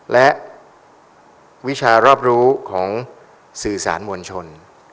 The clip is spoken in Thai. และวิชารอบรู้ของสื่อสารมวลชน